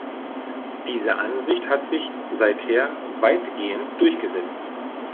Diese Ansicht hat sich seither weitgehend durchgesetzt.